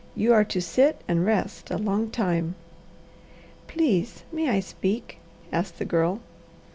You are to sit and rest a long time." "Please may I speak?" asked the Girl.